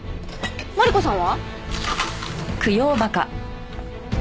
マリコさんは？